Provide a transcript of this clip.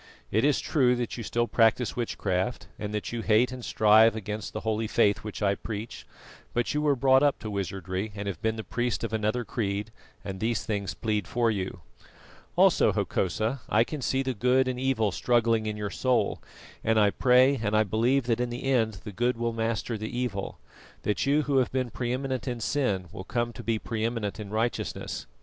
It is true that you still practise witchcraft, and that you hate and strive against the holy Faith which I preach; but you were brought up to wizardry and have been the priest of another creed, and these things plead for you. "Also, Hokosa, I can see the good and evil struggling in your soul, and I pray and I believe that in the end the good will master the evil; that you who have been pre eminent in sin will come to be pre eminent in righteousness.